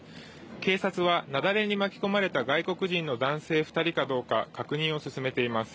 警察は雪崩に巻き込まれた外国人の男性２人かどうか確認を進めています。